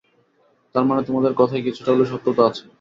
তার মানে তোমাদের কথায় কিছুটা হলেও সত্যতা আছে।